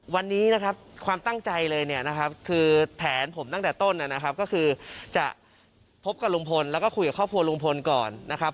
วันนี้นะครับความตั้งใจเลยเนี่ยนะครับคือแผนผมตั้งแต่ต้นนะครับก็คือจะพบกับลุงพลแล้วก็คุยกับครอบครัวลุงพลก่อนนะครับ